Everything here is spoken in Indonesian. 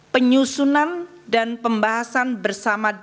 penyusunan dan pembahasan bersama dengan